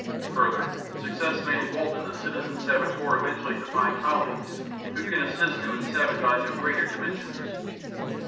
Further, success may embolden the citizen saboteur eventually to find colleagues who can assist him in sabotage of greater dimensions.